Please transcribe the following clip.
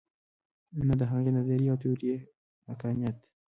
نه د هغې نظریې او تیورۍ حقانیت.